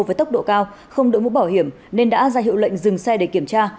với tốc độ cao không đội mũ bảo hiểm nên đã ra hiệu lệnh dừng xe để kiểm tra